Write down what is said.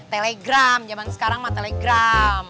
telegram zaman sekarang sama telegram